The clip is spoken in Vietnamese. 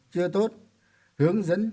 chưa tốt hướng dẫn